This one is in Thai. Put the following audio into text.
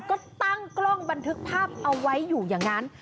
ก็ตั้งกล้องบันทึกภาพเอาไว้อยู่อย่างนั้น